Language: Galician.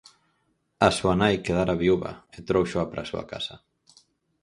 A súa nai quedara viúva e tróuxoa para a súa casa.